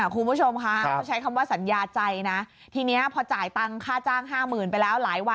คุณผู้ชมค่ะใช้คำว่าสัญญาใจนะทีนี้พอจ่ายตังค่าจ้าง๕๐๐๐๐บาทไปแล้ว